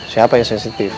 siapa yang sensitif